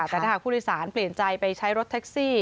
แต่ถ้าหากผู้โดยสารเปลี่ยนใจไปใช้รถแท็กซี่